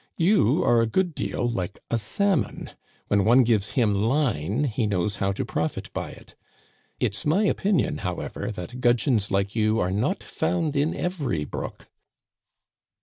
You are a good deal like a salmon — when one gives him line he knows how to profit by it. It's my opinion, however, that gudgeons like you are not found in every brook."